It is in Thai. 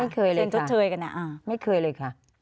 ไม่เคยเลยค่ะไม่เคยเลยค่ะ